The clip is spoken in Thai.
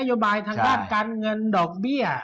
โยบายทางด้านการเงินดอกเบี้ย